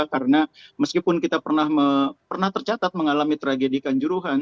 karena meskipun kita pernah tercatat mengalami tragedi kanjuruhan